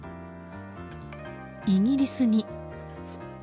イギリスに。